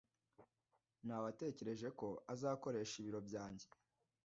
Nawetekereje ko azakoresha ibiro byanjye.